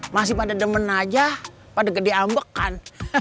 masih pada demen aja pada gede ambek kan